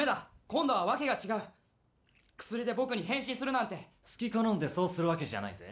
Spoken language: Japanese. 今度は訳が違う薬で僕に変身するなんて好きこのんでそうするわけじゃないぜ？